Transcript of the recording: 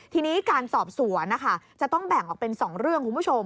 ทีนี้การสอบสวนนะคะจะต้องแบ่งออกเป็น๒เรื่องคุณผู้ชม